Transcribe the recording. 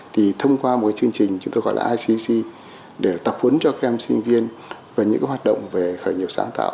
thì thông qua một chương trình chúng tôi gọi là icc để tập huấn cho các em sinh viên về những hoạt động về khởi nghiệp sáng tạo